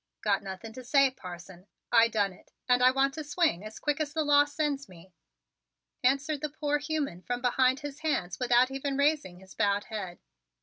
"Got nothing to say, parson. I done it and I want to swing as quick as the law sends me," answered the poor human from behind his hands without even raising his bowed head.